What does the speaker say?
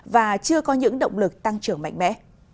và chưa có những động lực tăng trưởng mạnh mẽ